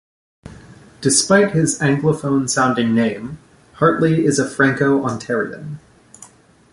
Despite his anglophone-sounding name, Hartley is a Franco-Ontarian.